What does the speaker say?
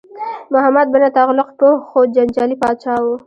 محمد بن تغلق پوه خو جنجالي پاچا و.